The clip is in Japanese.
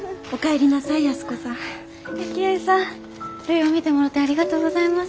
るいを見てもろうてありがとうございます。